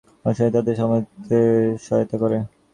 অনেকে মনে করে, আচার-অনুষ্ঠানাদি তাদের ধর্মানুভূতির সহায়তা করে।